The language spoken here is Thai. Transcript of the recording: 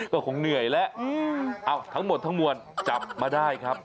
ก็คงเหนื่อยแล้วทั้งหมดทั้งมวลจับมาได้ครับ